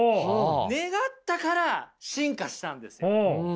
願ったから進化したんですよ。